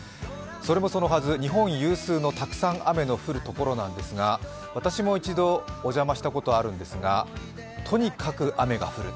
それもそのはず、日本有数のたくさん雨の降る所なんですが、私も一度、お邪魔したことがあるんですがとにかく雨が降る。